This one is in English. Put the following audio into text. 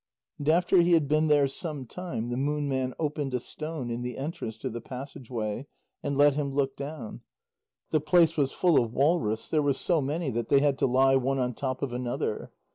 And after he had been there some time, the Moon Man opened a stone in the entrance to the passage way, and let him look down. The place was full of walrus, there were so many that they had to lie one on top of another.